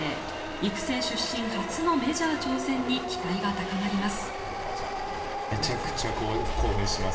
育成出身初のメジャー挑戦に期待が高まります。